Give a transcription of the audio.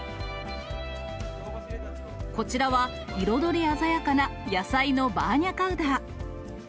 こちらは、彩り鮮やかな野菜のバーニャカウダー。